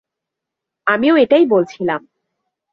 আমিও এটাই বলছিলাম।